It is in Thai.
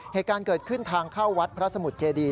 เหตุการณ์เกิดขึ้นทางเข้าวัดพระสมุทรเจดี